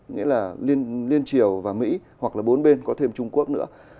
nghĩa là liên triều và mỹ hoặc là bốn bên có thêm trung quốc nữa